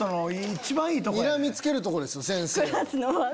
にらみ付けるとこですよ先生を。